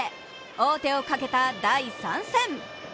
王手をかけた第３戦。